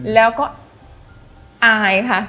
แล้วก็อายค่ะ